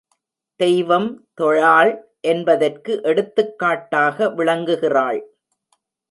தெய்வம் தொழாள் என்பதற்கு எடுத்துக் காட்டாக விளங்குகிறாள்.